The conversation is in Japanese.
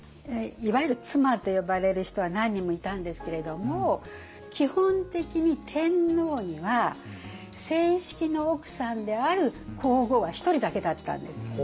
いわゆる妻と呼ばれる人は何人もいたんですけれども基本的に天皇には正式の奥さんである皇后は１人だけだったんです。